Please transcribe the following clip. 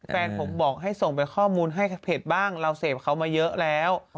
แฟนผมบอกให้ส่งไปข้อมูลให้เพจบ้างเราเสพเขามาเยอะแล้ว